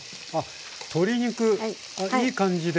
鶏肉いい感じで。